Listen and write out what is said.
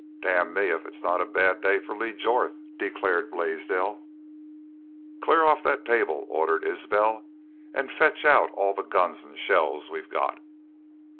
"Damn me if it's not a bad day fer Lee Jorth!" declared Blaisdell. "Clear off that table," ordered Isbel, "an' fetch out all the guns an' shells we got."